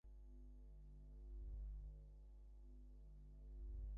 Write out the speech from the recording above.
এমন কোনো মানুষের সঙ্গে তোমার পরিচয় ঘটতে পারে, যার অতীতটিও তোমার মতো।